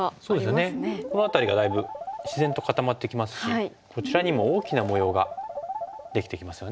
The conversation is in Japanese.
そうですよねこの辺りがだいぶ自然と固まってきますしこちらにも大きな模様ができてきますよね。